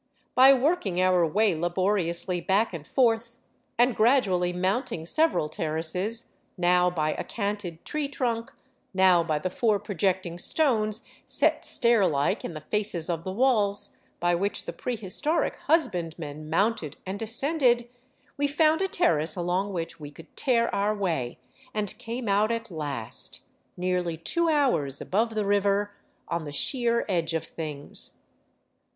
By working our way laboriously back and forth, and gradually mounting several terraces, now by a canted tree trunk, now by the four projecting stones set stair like in the faces of the walls, by which the prehistoric husbandmen mounted and descended, we found a terrace along which we could tear our way, and came out at last, nearly two hours above the river, on the sheer edge of things.